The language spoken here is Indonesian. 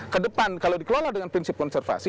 ke depan kalau dikelola dengan prinsip konservasi